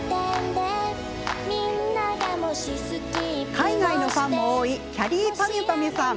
海外のファンも多いきゃりーぱみゅぱみゅさん。